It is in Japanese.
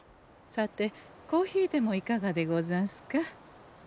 さてコーヒーでもいかがでござんすか？